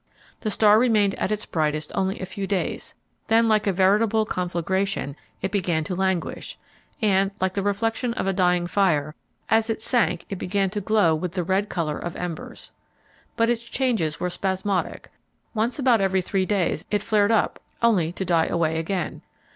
The star remained at its brightest only a few days; then, like a veritable conflagration, it began to languish; and, like the reflection of a dying fire, as it sank it began to glow with the red color of embers. But its changes were spasmodic; once about every three days it flared up only to die away again.